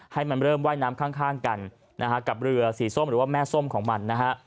ให้มันเริ่มว่ายน้ำข้างกันนะฮะกับเรือสีส้มหรือว่าแม่ส้มของมันนะฮะ